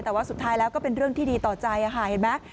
แต่ว่าสุดท้ายแล้วก็เป็นเรื่องที่ดีต่อใจค่ะเห็นไหม